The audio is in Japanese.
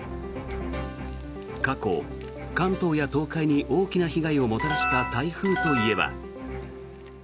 過去、関東や東海に大きな被害をもたらした台風といえば。